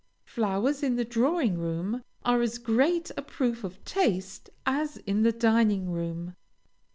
Flowers in the drawing room are as great a proof of taste as in the dining room.